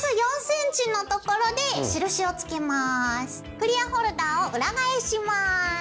クリアホルダーを裏返します。